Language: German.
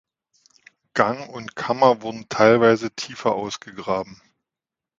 Gang und Kammer wurde teilweise tiefer ausgegraben.